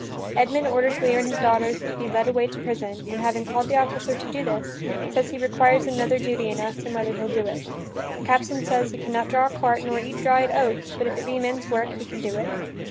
Edmund orders Lear and his daughter to be led away to prison, and, having called the officer to do this, says he requires another duty and asks him whether he'll do it? The captain says he can not draw a cart nor eat dried oats, but if it be men's work he can do it.